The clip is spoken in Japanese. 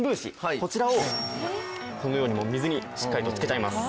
こちらをこのようにもう水にしっかりと浸けちゃいます。